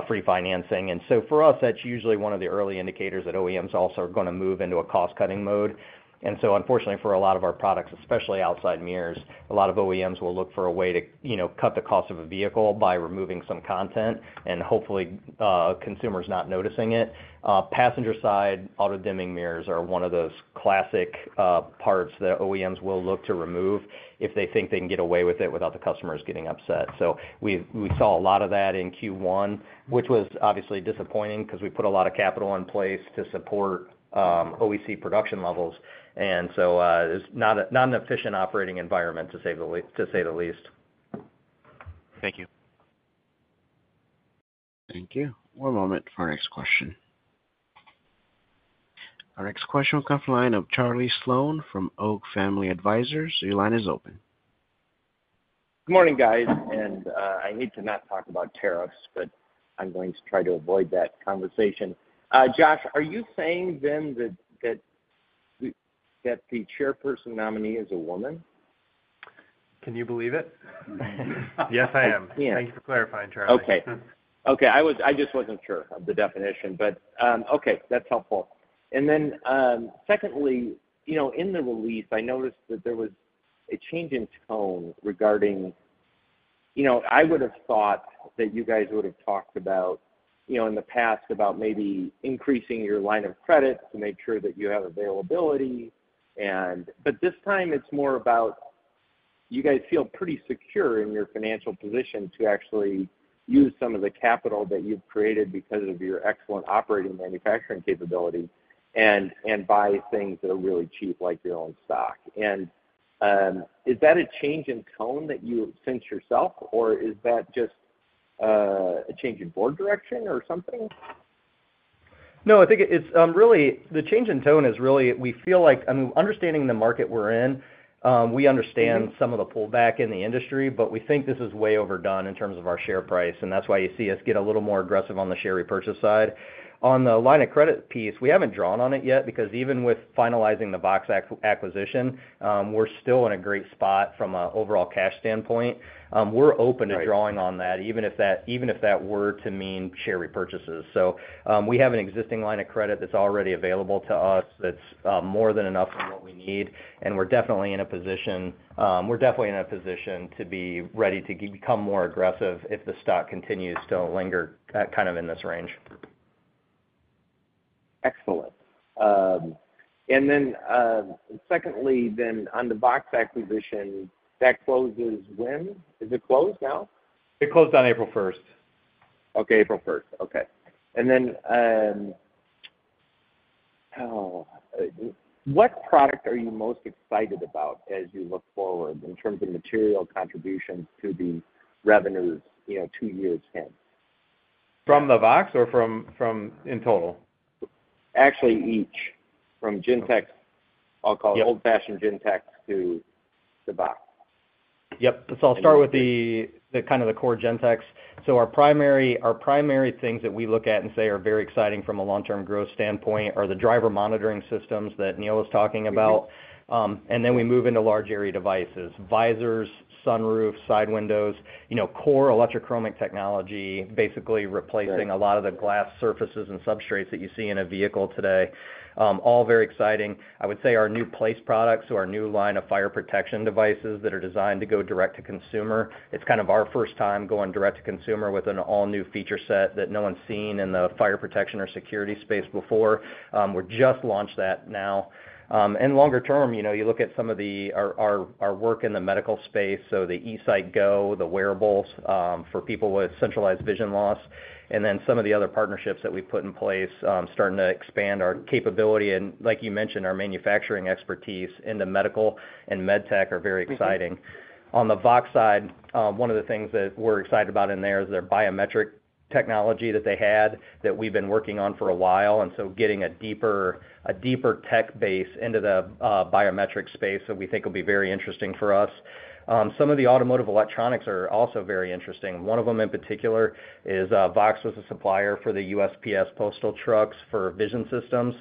free financing. For us, that's usually one of the early indicators that OEMs also are going to move into a cost-cutting mode. Unfortunately, for a lot of our products, especially outside mirrors, a lot of OEMs will look for a way to cut the cost of a vehicle by removing some content and hopefully consumers not noticing it. Passenger-side auto-dimming mirrors are one of those classic parts that OEMs will look to remove if they think they can get away with it without the customers getting upset. We saw a lot of that in Q1, which was obviously disappointing because we put a lot of capital in place to support OEM production levels. It is not an efficient operating environment, to say the least. Thank you. Thank you. One moment for our next question. Our next question will come from the line of Charlie Sloan from Oak Family Advisors. Your line is open. Good morning, guys. I hate to not talk about tariffs, but I'm going to try to avoid that conversation. Josh, are you saying then that the chairperson nominee is a woman? Can you believe it? Yes, I am. Thank you for clarifying, Charlie. Okay. Okay. I just was not sure of the definition, but okay. That is helpful. Then, in the release, I noticed that there was a change in tone regarding I would have thought that you guys would have talked about in the past about maybe increasing your line of credit to make sure that you have availability. This time, it is more about you guys feel pretty secure in your financial position to actually use some of the capital that you have created because of your excellent operating manufacturing capability and buy things that are really cheap like your own stock. Is that a change in tone that you sense yourself, or is that just a change in board direction or something? No. I think really the change in tone is really we feel like understanding the market we're in, we understand some of the pullback in the industry, but we think this is way overdone in terms of our share price. That is why you see us get a little more aggressive on the share repurchase side. On the line of credit piece, we haven't drawn on it yet because even with finalizing the VOXX acquisition, we're still in a great spot from an overall cash standpoint. We're open to drawing on that even if that were to mean share repurchases. We have an existing line of credit that's already available to us that's more than enough for what we need. We're definitely in a position to be ready to become more aggressive if the stock continues to linger kind of in this range. Excellent. Then secondly, on the VOXX acquisition, that closes when? Is it closed now? It closed on April 1st. Okay. April 1st. Okay. What product are you most excited about as you look forward in terms of material contributions to the revenues two years in? From the VOXX or from in total? Actually, each. From Gentex, I'll call it old-fashioned Gentex to the VOXX. Yep. I'll start with kind of the core Gentex. Our primary things that we look at and say are very exciting from a long-term growth standpoint are the driver monitoring systems that Neil was talking about. We move into large area devices: visors, sunroofs, side windows, core electrochromic technology, basically replacing a lot of the glass surfaces and substrates that you see in a vehicle today. All very exciting. I would say our new place products or our new line of fire protection devices that are designed to go direct to consumer. It's kind of our first time going direct to consumer with an all-new feature set that no one's seen in the fire protection or security space before. We just launched that now. Longer term, you look at some of our work in the medical space, so the eSight Go, the wearables for people with centralized vision loss, and then some of the other partnerships that we've put in place, starting to expand our capability. Like you mentioned, our manufacturing expertise in the medical and med tech are very exciting. On the VOXX side, one of the things that we're excited about in there is their biometric technology that they had that we've been working on for a while. Getting a deeper tech base into the biometric space that we think will be very interesting for us. Some of the automotive electronics are also very interesting. One of them in particular is VOXX was a supplier for the USPS postal trucks for vision systems.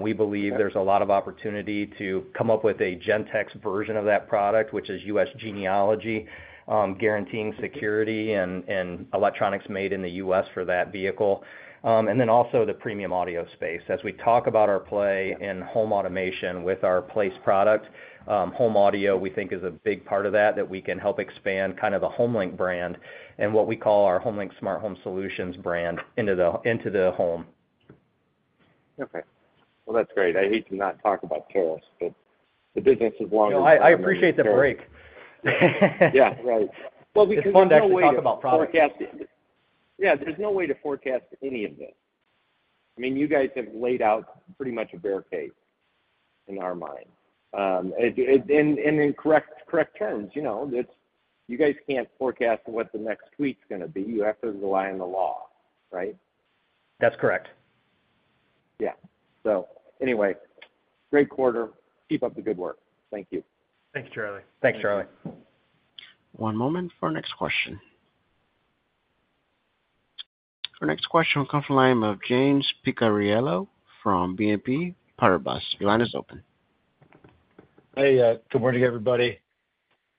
We believe there's a lot of opportunity to come up with a Gentex version of that product, which is U.S. genealogy, guaranteeing security and electronics made in the U.S. for that vehicle. Also, the premium audio space. As we talk about our play in home automation with our HomeLink product, home audio, we think, is a big part of that that we can help expand, kind of, the HomeLink brand and what we call our HomeLink Smart Home Solutions brand into the home. Okay. That is great. I hate to not talk about tariffs, but the business is long and stretched. I appreciate the break. Yeah. Right. It's fun to actually talk about products. Yeah. There's no way to forecast any of this. I mean, you guys have laid out pretty much a barricade in our mind. And in correct terms, you guys can't forecast what the next tweet's going to be. You have to rely on the law, right? That's correct. Yeah. Anyway, great quarter. Keep up the good work. Thank you. Thank you, Charlie. Thanks, Charlie. One moment for our next question. Our next question will come from the line of James Picariello from BNP Paribas. Your line is open. Hey. Good morning, everybody.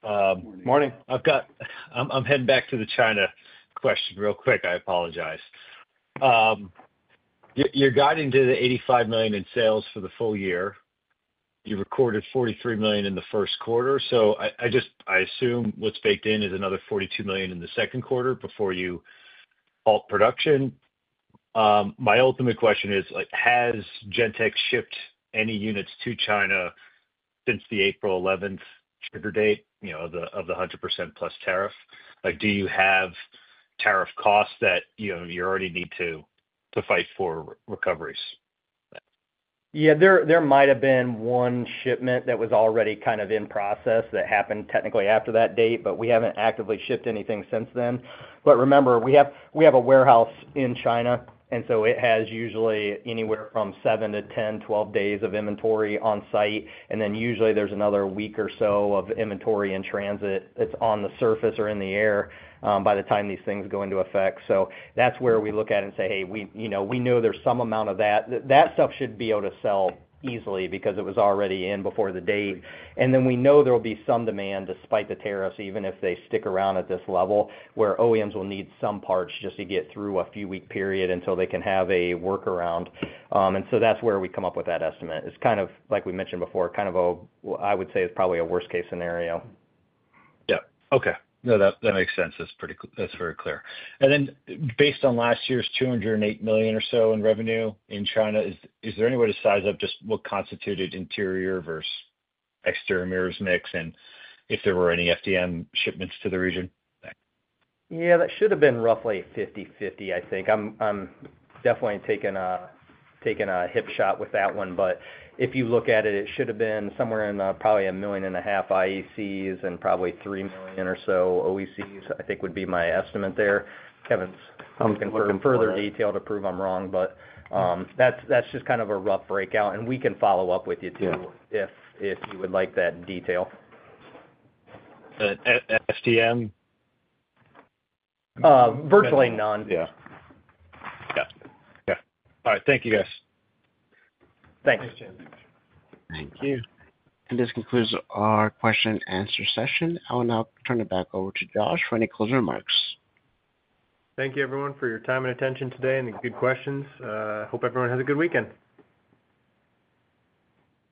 Morning. Morning. I'm heading back to the China question real quick. I apologize. You're guiding to the $85 million in sales for the full year. You recorded $43 million in the first quarter. I assume what's baked in is another $42 million in the second quarter before you halt production. My ultimate question is, has Gentex shipped any units to China since the April 11 trigger date of the 100%+ tariff? Do you have tariff costs that you already need to fight for recoveries? Yeah. There might have been one shipment that was already kind of in process that happened technically after that date, but we have not actively shipped anything since then. Remember, we have a warehouse in China, and it has usually anywhere from 7-10, 12 days of inventory on site. Usually there is another week or so of inventory in transit that is on the surface or in the air by the time these things go into effect. That is where we look at it and say, "Hey, we know there is some amount of that." That stuff should be able to sell easily because it was already in before the date. We know there will be some demand despite the tariffs, even if they stick around at this level where OEMs will need some parts just to get through a few-week period until they can have a workaround. That is where we come up with that estimate. It is kind of, like we mentioned before, kind of a, I would say, it is probably a worst-case scenario. Yeah. Okay. No, that makes sense. That's very clear. Based on last year's $208 million or so in revenue in China, is there any way to size up just what constituted interior versus exterior mirrors mix and if there were any FDM shipments to the region? Yeah. That should have been roughly 50/50, I think. I'm definitely taking a hip shot with that one. If you look at it, it should have been somewhere in probably $1.5 million IECs and probably 3 million or so OECs, I think would be my estimate there. Kevin's confirmed further detail to prove I'm wrong, but that's just kind of a rough breakout. We can follow up with you too if you would like that detail. FDM? Virtually none. Yeah. All right. Thank you, guys. Thanks. Thanks, James. Thank you. This concludes our question-and-answer session. I will now turn it back over to Josh for any closing remarks. Thank you, everyone, for your time and attention today and the good questions. I hope everyone has a good weekend.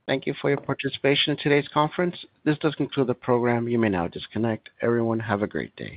Thank you for your participation in today's conference. This does conclude the program. You may now disconnect. Everyone, have a great day.